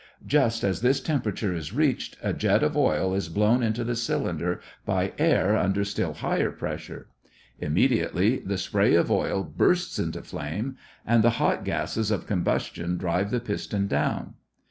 Just as this temperature is reached, a jet of oil is blown into the cylinder by air under still higher pressure. Immediately the spray of oil bursts into flame and the hot gases of combustion drive the piston down.